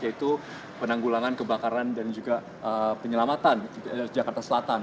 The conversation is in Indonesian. yaitu penanggulangan kebakaran dan juga penyelamatan jakarta selatan